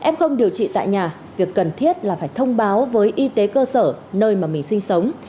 em không điều trị tại nhà việc cần thiết là phải thông báo với y tế cơ sở nơi mà mình sinh sống